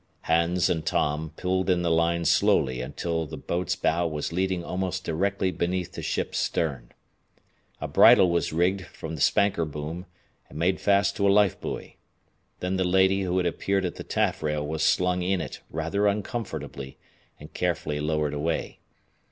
Hans and Tom pulled in the line slowly until the boat's bow was leading almost directly beneath the ship's stern. A bridle was rigged from the spanker boom and made fast to a life buoy. Then the lady who had appeared at the taffrail was slung in it rather uncomfortably and carefully lowered away.